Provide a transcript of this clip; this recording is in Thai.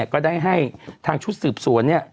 ก็ได้ให้ทางชุดสืบสวน